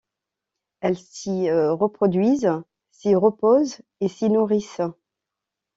Elles s'y reproduisent, s'y reposent et s'y nourrissent.